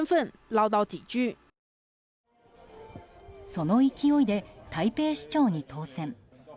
その勢いで台北市長に当選。